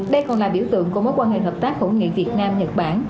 đây còn là biểu tượng của mối quan hệ hợp tác hữu nghị việt nam nhật bản